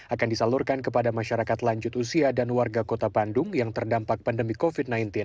akan disalurkan kepada masyarakat lanjut usia dan warga kota bandung yang terdampak pandemi covid sembilan belas